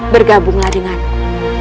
bergabunglah dengan aku